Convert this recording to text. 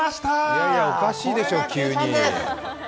いやいや、おかしいでしょ急に。